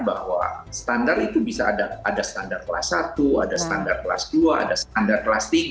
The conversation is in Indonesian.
bahwa standar itu bisa ada standar kelas satu ada standar kelas dua ada standar kelas tiga